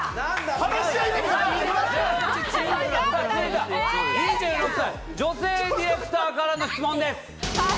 続いては２６歳女性ディレクターからの質問です。